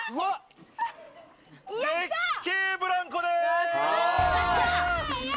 絶景ブランコです！